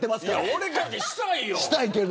俺かてしたいよ。